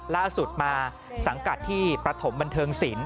ล่าสุดมาสังกัดที่ประถมบันเทิงศิลป